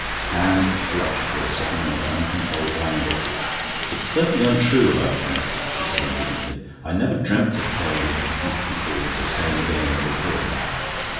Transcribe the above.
Anne flushed with a sudden and uncontrollable anger. "It's perfectly untrue about Denis," she said indignantly. "I never dreamt of playing what you beautifully call the same game with him."